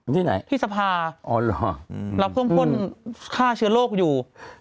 ที่ไหนที่สภารับเครื่องพ่นฆ่าเชื้อโรคอยู่